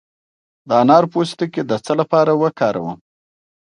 د انار پوستکی د څه لپاره وکاروم؟